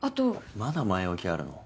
まだ前置きあるの？